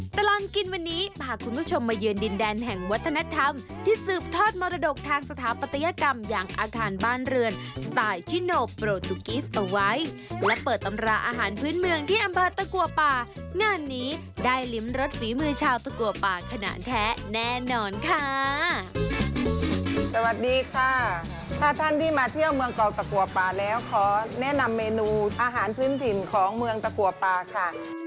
สวัสดีค่ะถ้าท่านที่มาเที่ยวเมืองเกาะตะกัวป่าแล้วขอแนะนำเมนูอาหารพื้นถิ่นของเมืองตะกัวป่าค่ะ